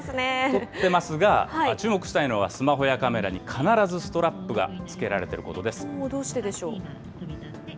撮ってますが、注目したいのはスマホやカメラに必ずストラップがつけられているどうしてでしょう。